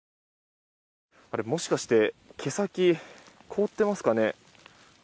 もしかして、毛先凍ってますかね？